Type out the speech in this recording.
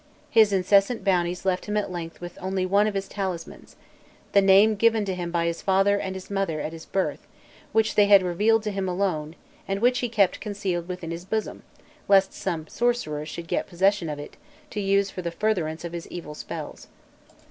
His incessant bounties left him at length with only one of his talismans: the name given to him by his father and mother at his birth, which they had revealed to him alone, and which he kept concealed within his bosom lest some sorcerer should get possession of it to use for the furtherance of his evil spells.